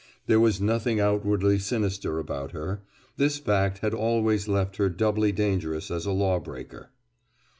There was nothing outwardly sinister about her. This fact had always left her doubly dangerous as a law breaker.